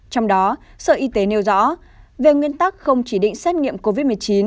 trong đó sở y tế nêu rõ về nguyên tắc không chỉ định xét nghiệm covid một mươi chín